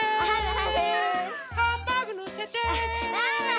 はい！